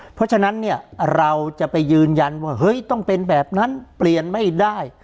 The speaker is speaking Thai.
เพราะฉะนั้นเนี่ยเราจะไปยืนยันว่าเฮ้ยต้องเป็นแบบนั้นเปลี่ยนไม่ได้